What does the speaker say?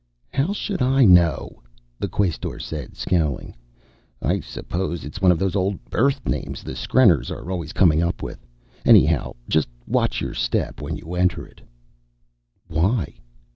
"How should I know?" the Quaestor said, scowling. "I suppose it's one of those old Earth names the skrenners are always coming up with. Anyhow, just watch your step when you enter it." "Why?"